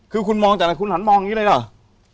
คือคุณมองจากอะไรคุณหันมองอย่างนี้เลยเหรอ